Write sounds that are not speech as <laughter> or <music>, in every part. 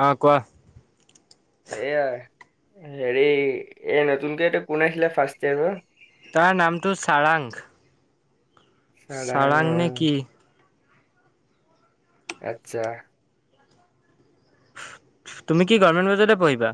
অ কোৱা এয়া হেৰি এ নতুনকৈ এইটো কোন আছিলে ফাৰ্ষ্ট ইয়াৰৰ তাৰ নামটো চাৰাং চাৰং নে চালান কি আচ্ছা তুমি কি গভমেণ্ট বজতে পঢ়িবা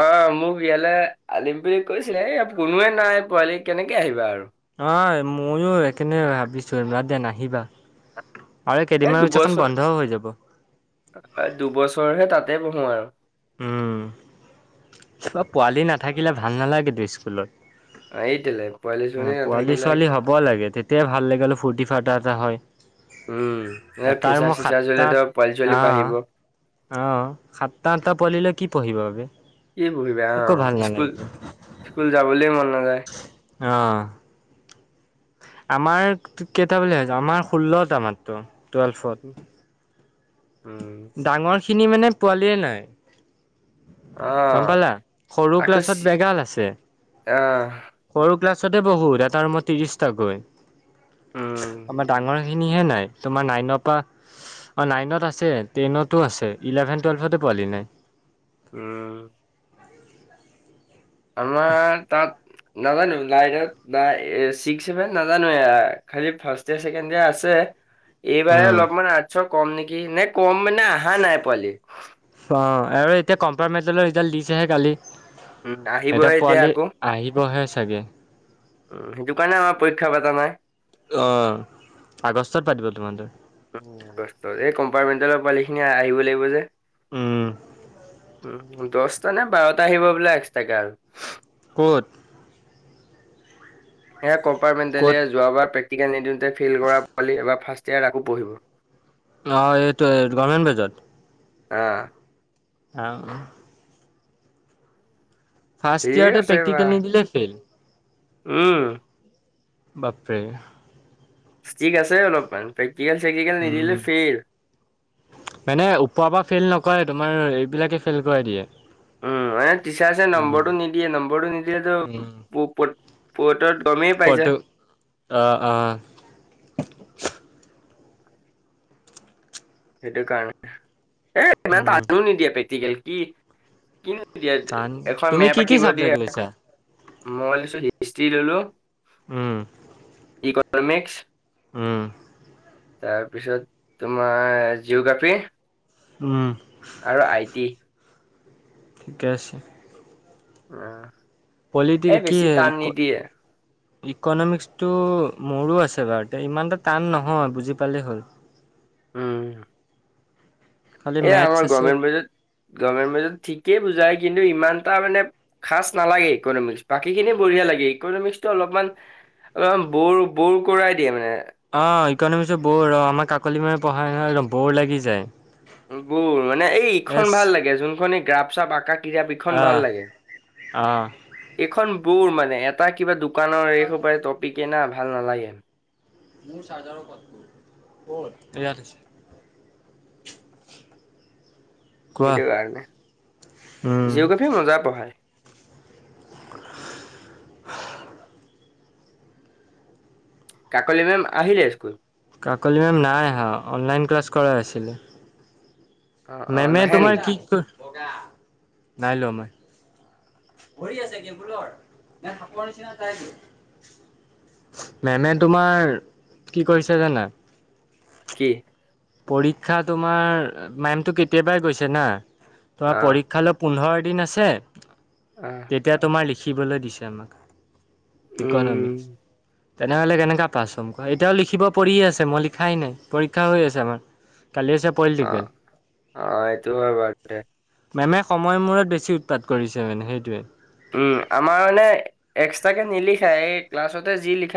অ মোক ইয়ালে আলিম বুলি কৈছিলে ইয়াত কোনোৱে নাই পোৱালি কেনেকে আহিবা আৰু অ ময়ো সেইকাৰণে ভাবিছো বাদ দে নাহিবা আৰু এ কেইদিনমান পিছত এখন দুবছৰ বন্ধও হৈ যাব দুবছৰহে তাতে পঢ়ো আৰু উম পোৱালি নাথাকিলে ভাল নালাগেতো স্কুলত এইট লে পোৱালি ছোৱালী হ'ব লাগে তেতিয়াই ভাল লাগিলে ফূুৰ্তি ফাৰ্তটা এটা হয় উম এ এটাৰ মই ফিচাৰ চিচাৰ সাতটা চলে ধৰ পোৱালি চোৱালি প অ', আহিব অ সাতটা আঠটা পোৱালি লৈ কি পঢ়িব এব কি পঢ়িবা আহ স্কুল, স্কুল যাবলৈ মন নাযায়! আহঁ আমাৰ কেইটা বুলি ভাবছো আমাৰ ষোল্লটা মাত্ৰ টুৱেলভত। উম। সেইখিনি মানে পোৱালিয়ে নাই। অ গম পালা! সৰু ক্লাছত বেগাল আছে। আহঁ। তাৰিছতে বহুত এটা আৰু মই ত্ৰিশটাকৈ। উম আমাৰ ডাঙৰ সেইখিনিহে নাই, তোমাৰ নাইনৰ পৰা অঁ নাইনত আছে। টেনতো আছে, ইলেভেন টুৱেল্ভতে পোৱালি নাই। উম। আমাৰ তাত- নাজানো লাইনতিক্সছেভেন নাজানো খালি ফাৰ্ষট ইয়ে ছেকেণ্ড ইয় আছে এইবাৰ উম অলপমান আঠশ কম নেকি, নাই কম মানে অহা নাই পোৱালি অ আৰু এতিয়া কম্পাৰমাইজলৈৰ ৰিজাল্ট দিছেহে কালি উম এতিয়া আহিবহে পোৱালি আকৌ আহিবহে থাকে। উম সেইটো কাৰণে আমাৰ পৰীক্ষা পাতা নাই। অঁ আগষ্টত পাতিব। তোমাৰতো উ এই কম্পাৰ্টমেণ্টেলৰ পোৱালি খিনি আহিব লাগিব যে উম উ দহটা নে বাৰটা আহিব বোলে এক্সট্ৰাকে আৰু ক'ত? সেয়া ক'ত কম্পাৰ্টমেণ্টেলিয় যোৱাবাৰ প্ৰেক্টিকেল নিদিওঁতে ফেইল কৰা পালি ফাৰ্ষ ইয়াত আকৌ পঢ়িব। অ এইটোৱে গমেণ্ট বেজাৰ আহ আহ ফাৰ্ষ্ট ঠিক টিয়তে আছে বা প্ৰেক্টিকেল নিদিলে ফেইল উম বাপৰে স্কিক আছে অলপমান প উম মানে ওপৰৰ পৰা ফেইল নকৰে তোমাৰ এইবিলাকে ফেইল কৰাই দিয়ে উম এ টিচাৰছে উম, নম্বৰটো নিদিয়ে নম্বৰটো নিদিয়ে তত পটো আহ সেইটো কাৰণে এই একো নাই উম, টানো নিদিয়ে প্ৰেক্টিকেল কিন্তু দিয়া টান এখন তুমি কি মেপ কি আঁকিব দিয়ে চাবজেক্ট লৈছা? মই দিছো হিষ্টি ললো উম ইকনমিক্স উম তাৰপিছত তোমাৰ জিঅগ্ৰাফী উম আৰু আই টি ঠিকে আছে। উ পলিটিকিক কি ইক ইকনমিক্সটো মোৰো আছে বাৰু এতিয়া ইমানটা টান নহয় বুজি পালেই হ'ল। উম। খালি এ মেথছ আমাৰ আছে। গভমেণ্ট বাজেত গভমেণ্ট বাজেত ঠিকেই বুজায়। কিন্তু ইমান এটা মানে খাচ নালাগে ইকনমিক্স। বাকীখিনি বঢ়িয়া লাগে ইকনমিক্সটো অলপমান অলপমান বৌৰ বৌৰ কৰাই দিয়ে মানে। অ', ইকনমিক্সটো বৌৰ আমাৰ কাকলি মেমে পঢ়ায় হয় একদম বৌৰ লাগি যায়। গুৰ মানে এই ইখন এছ ভাল লাগে যোনখনি গ্ৰাপ চাপ আ কাপখন ভাল অ', লাগে। অ', এইখন বৌৰ মানে এটা কিবা দোকানৰ এইসোপায় টপিকে না ভাল নালাগে। মোৰ চাজাৰ ডাল ক'ত আছিলে, ক'ত? ইয়াত আছিলে। কোৱা সেইটো কাৰণে। উম। জিঅ'গ্ৰাফিও মজা পঢ়ায়। <inaudible> কাকলি মেম আহিলে স্কুল? কাকলি মেম নাই অহা অনলাইন ক্লাছ কৰাই আছিলে। অ অ মেমে নাহে তোমাৰ নেকি কি <unintelligible> নাই লোৱা মই। ভৰি আছে কি কেবুলৰ নে সাপৰ নিচিনা তাই কি মেমে তোমাৰ কি কৰিছে জানা? কি? পৰীক্ষা তোমাৰ মেমতটো কেতিয়াবাই গৈছে না। তোমাৰ অ পৰীক্ষালৈ পোন্ধৰ দিন আছে। অ তেতিয়া তোমাৰ লিখিবলৈ দিছে আমাক। ইকনমিক্স। উম তেনেহ'লে কেনেকুৱা পাছ হ'ম কোৱা? এতিয়াও লিখিব পৰিয়ে আছে মই লিখাই নাই পৰীক্ষা হৈ আছে আমাৰ। কালি আছে পলিটিকেল অ', অ' এইটো হয় মেমে সময় মূৰত বেছি উৎপাত কৰিছে মানে সেইটোৱে। উম, আমাৰ মানে এক্সট্ৰাকে নিলিখাই এই ক্লাছতে যি লিখ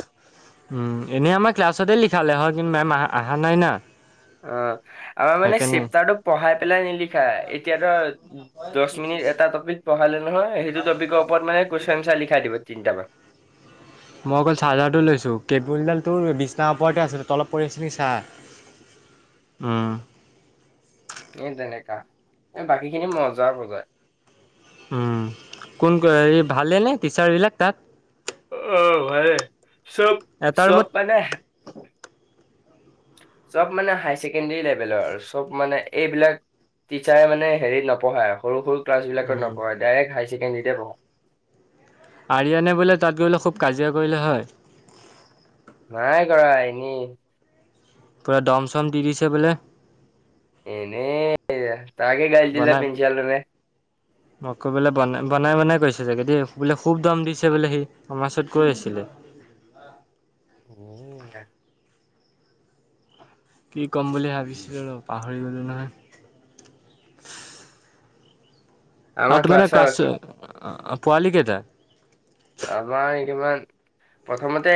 উম, এনে আমাৰ ক্লাছতে লিখালে হয়। কিন্তু মেম অহা নাই না। অ', আমাৰ মানে সেইকাৰণে চেপ্তাৰটো পঢ়াই পেলাই নিলিখা এতিয়াতো দহ মিনিট এটা টিপিক পঢালে নহয় সেইটো টপিকৰ ওপৰত মানে কোৱেচন এনচাৰ লিখাই দিব তিনিটামান। মই অকল চাৰ্জাৰটো লৈছো কেবুলডালটোৰ বিছনা ওপৰতে আছিল তলত পৰি আছে নেকি চা। <inaudible> উম। এ তেনেকা। এ বাকীখিনি মজা বুজায়। উম, কোন এই ভালে নে টিচাৰবিলাক তাত? অ', ভালেই চব এটা চব ৰুমত মানে চব মানে হায় ছেকেণ্ডৰী লেভেলৰ আৰু চব মানে এইবিলাক টিচাৰে মানে হেৰিত নপঢ়ায় সৰু সৰু ক্লাছবিলত উম, নপঢ়া ডাইৰেক্ট হাইাৰ ছেকেণ্ডেৰীতে পঢ়ায়। আৰিয়ানে বোলে তাত গৈলে খুব কাজিয়া কৰিলে হয়? নাই কৰা এনে। পুৰা দম চম দি দিছে বোলে। এনে তাকে হে গালি দিলে বনাই পিনঞ্চিপালে। আকৌ বোলে বনাই বনাই বনাই কৰিছে চাগেদি বোলে খুব দম দিছে বোলে সি আমাৰ ওচৰত কৈ আছিলে। উম। কি ক'ম বুলি ভাবিছিলো ন পাহৰি গ'লো নহয়। আমাৰ আউট মানে ক্লাছৰ কাচ কি- পোৱালি কেইটা? আমাৰ ইনিমান প্ৰথমতে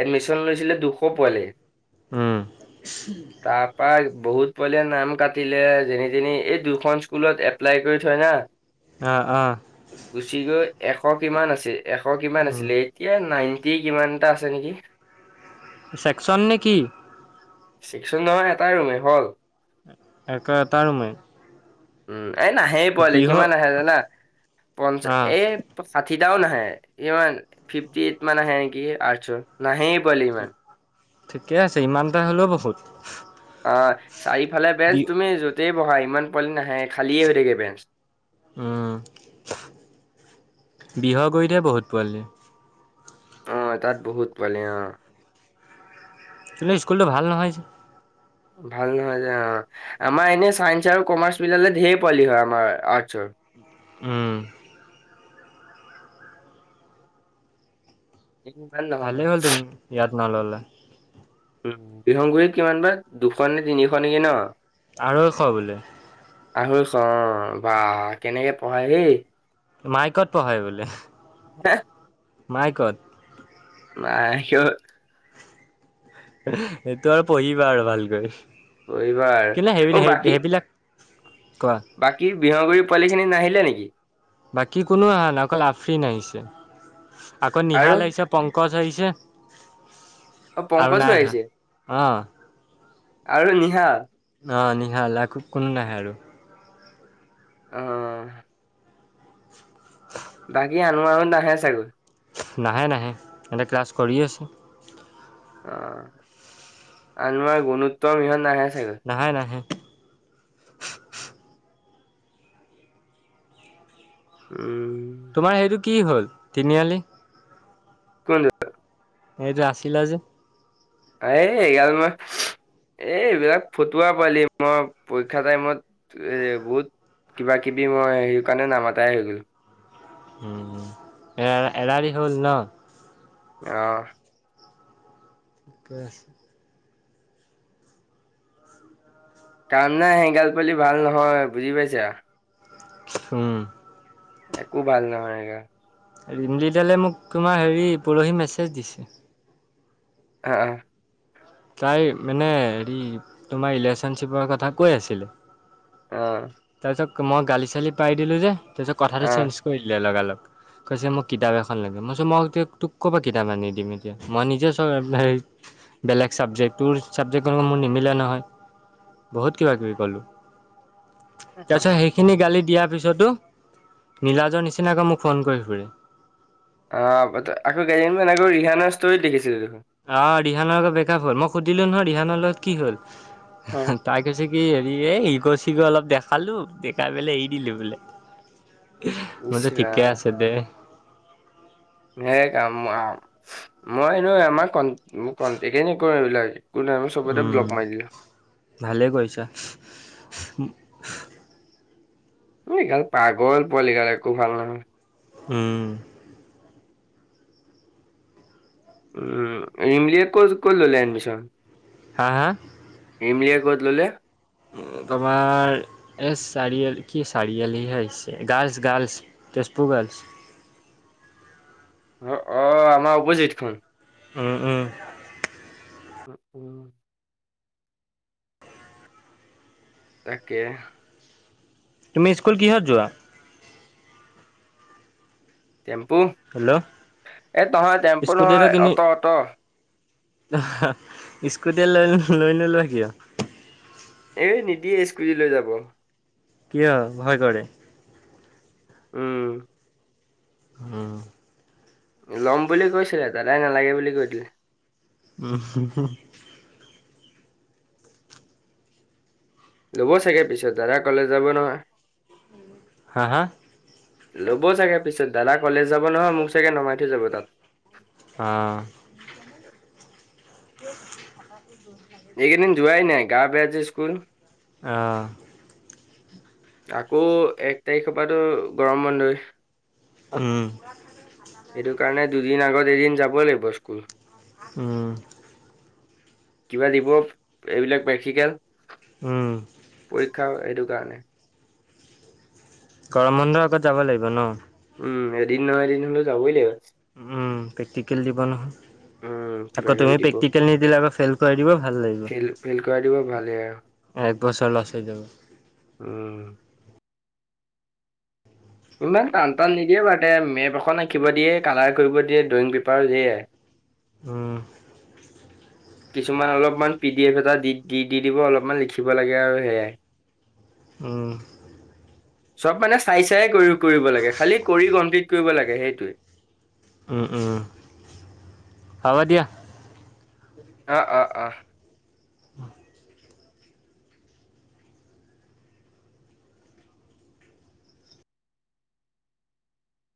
এডমিশ্যন লৈছিলে দুশ পোৱালি। হম। তাৰ পৰা বহুত পোৱালিয়ে নাম কাটিলে। যেনি তেনি এই দুয়োখন স্কুলত এপ্লাই কৰি থয় না। অ', অ'। গুচি গৈ এশ কিমান আছিল এশ কিমান উম, আছিলে এতিয়া নাইনটি কিমান এটা আছে নেকি। ছেকশচন নে কি? চেকচন নহয় এটাই ৰুমে হ'ল। এটা এটা ৰুমে! উম, এই নাহেই পোৱালি। বিহ কিমান আহে জানা পঞ্চা আহ এই চাঠ কেটাও নাহে। ইমান ফিফটি এইট মান আহে নেকি আৰ্টছৰ। নাহেই পোৱালি ইমান। ঠিকে আছে, ইমানটা হ'লেও বহুত। অ', চাৰিওফালে বি বেঞ্চ। তুমি য'তেই বহা ইমান পোৱালি নাহে খালীয়ে হৈ থাকে বেঞ্চ। উম। বিহগুৰিতহে বহুত পোৱালি। অহ তাত বহুত পোৱালি অহ। সেইবিলাক স্কুলটো ভাল নহয়। ভাল নহয় যে অ'। আমাৰ এনে ছাইন্স আৰু কমাৰ্চ মিলালে ধেৰ পোৱালি হয় আমাৰ আৰ্টছৰ। উম। ইমান নহয়, ভালেই হ'ল তুমি ইয়াত নল'লা। উম। বিহগুৰিত কিমান বা দুশ নে তিনিশ নেকি ন? আঢ়ৈশ বোলে। আঢ়ৈশ অ'। বা কেনেকে পঢ়াই হেই। মাইকত পঢ়াই বোলে। মাইকত? মাইকত। সেইটো আৰু পঢ়িবা আৰু ভালকৈ। পঢ়িবা আৰু কিন্তু অ', সেইবিলাক বাকী সেইবিলাক কোৱা বাকী বিহগুৰি পোৱালিখিনি নাহিলে নেকি? বাকী কোনো আহা নাই অকল আফ্ৰিন আহিছে, আকৌ আৰু নিহাল আহিছে, পংকজ আহিছ অ', আৰু পংকজো নাই আহা। আহিছে অ'। আৰু নিহাল। অ', নিহাল। আকৌ কোনো নাই আহা আৰু। অহ। বাকী আনোৱাৰহঁত নাহে চাগৈ। নাহে নাহে। সিহঁতে ক্লাছ কৰি আছে। অ', আনোৱাৰ, গুণোত্তম ইহঁত নাহে চাগৈ নাহে নাহে। উম। তোমাৰ সেইটো কি হ'ল তিনিআলি? <unintelligible> হেইটো আছিলা যে? আৰে এইগাল মই এ, এইবিলাক ফটুৱা পোৱালি মই পৰীক্ষা টাইমত এ, বহুত কিবা-কিবি, মই সেই কাৰণে নামাতাই হৈ গলো। উম, এ এৰা-এৰি হ'ল ন? অহ। কৈছ কাম নাই। সেইগাল পোৱালি ভাল নহয়। বুজি পাইছা? উম। একো ভাল নহয় এয়া। ৰিমলিডালে মোক তোমাৰ হেৰি পৰহি মেছেজ দিছে। আ, আ। তাই মানে হেৰি তোমাৰ ৰিলেশ্যনশ্বিপৰ কথা কৈ আছিলে অ ', তাৰপিছত মই গালি চালি পাই দিলোঁ যে তাৰপিছত কথাটো অ চেঞ্জ কৰি দিলে লগালগ। কৈছে মোক কিতাপ এখন লাগে। মই চো মই এতিয়া তোক ক'ৰ পৰা কিতাপ আনি দিম এতিয়া। মই নিজে চব এ হেৰি বেলেগ। ছাবজেক্টটোৰ ছাবজেক্ট দেখোন মোৰ নিমিলে নহয়। বহুত কিবা-কিবি ক'লোঁ। তাৰিছত সেইখিনি গালি দিয়া তাৰপিছতো নীলাজৰ নিচিনাকৈ মোক ফোন কৰি ফুৰে। অ, আকৌ কেইদিনমান আকৌ ৰিহানৰ ষ্টৰিত দেখিছিলো। দেখোন অ, ৰিহানৰ লগত ব্ৰেকআপ হল মই সুধিলো নহয় ৰিহানৰ লগত কি হল তাই কৈ কি হেৰি এ শিগ চিগৰ অলপ দেখালো দেখাই পেললে এৰি দিলো বোলে। ইচ মোৰ যে ঠিকে ৰাম আছে দে। সেই কাম মই এনে আমাৰ কন কণ্টক ই নকৰো এইবিল সম সব উম ব্লক মাৰ দিলো। ভালে কৰিছ। এই গাল পাগল পোৱালী গাল একো ভাল নহয়। উম, উম, ৰিমলিয়ীয়েে ক' কল ল এডমিচন? হা-হা? হিমলিয় ক'ত ললে? মাৰ এছ চাৰিআলী কি চাৰিআলী হেছে গাৰ্লছ-গাৰ্লছ তেজপুৰ গাৰ্ল <unintelligible> পচ অ, আমাৰ অপজিটখন। উম-উম। উম - উম। তাকে। তুমি স্কুল কি হত যোৱা? টেম্পু হেল্ল' এ নহয় টেম্পু নহয় অটো অটো। আহ স্কুটিয়ে লৈ লৈ নোলোৱা কিয়? এ নিদিয়ে স্কুটি লৈ যাব। কিয়, ভয় কৰে? উম হম ল'ম বুলি কৈছিলে দাদাই নালাগে বুলি কৈ দিলে। উম হম হম। ল'ব চাগে পিছত দাদা কলে যাব নহয়। হা হা লব চাগে পিছত। দাদা কলেজ যাব নহয় মোক চাগে নমাই থৈ যাব তাত। অ <unintelligible> এইকেইদিন যোৱাই নাই গা বেয়াজে স্কুল। আহ আকৌ এক তাৰিখৰ পৰাতো গৰম বন্ধই। উম সেইটো কাৰণে দুদিন আগত এদিন যাব লাগিব স্কুল। উম কিবা দিব এইবিলাক প্ৰেক্টিকেল উম পৰীক্ষা কাৰানে। গৰম বন্ধৰ আগত যাব লাগিব ন? উম এদিন ন এদিন হলেও যাবই লাগিব আৰু পেকটিকেল জীৱন হ উম কিবা আকৌ কিবি তুমি দিব প্ৰেক্টিকেল নিদিলে আকৌ ফেইল কৰিই দিব ভাল লাগিব াই দিব ভালেই আৰু গছৰ লছ হৈ যাব উম ইমান টান টান নিদিয়ে বাৰু তে মেপ এখন আঁকিব দিয়ে কালাৰ কৰিব দিয়ে ড্ৰয়িং পেপাৰ দিয়ে। হম। কিছুমান অলপমান পি ডি এফ এটা দি দি দিব অলপমান লিখিব লাগে আৰু সেয়াই। অহ। চব মানে চাই চাই কৰি কৰিব লাগে খালি কৰি কমপ্লিট কৰিব লাগে সেইটোৱে। অ অ হ'ব দিয়া। কিতাপছ পাৰ